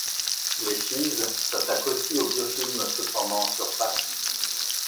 Les Physes s'attaquent aussi au biofilm se formant en surface.